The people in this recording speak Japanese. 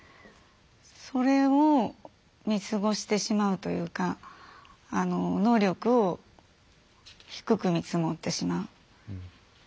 それを見過ごしてしまうというか能力を低く見積もってしまう。